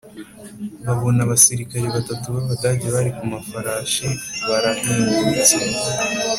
babona abasirikare batatu b Abadage bari ku mafarashi barahingutse